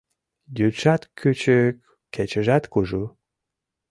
Йӱдшат кӱчык, кечыжат кужу